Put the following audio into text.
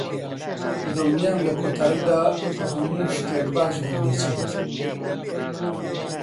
دڵنیام لە کۆتاییدا هەموو شتێک باش دەردەچێت.